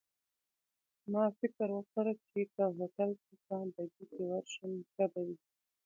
ما فکر وکړ، چي که هوټل ته په بګۍ کي ورشم ښه به وي.